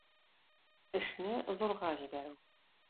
Эшне зурга җибәрү.